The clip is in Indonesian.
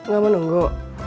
gak mau nunggu